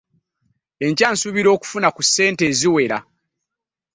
Enkya nsuubira okufuna ku ssente eziwera.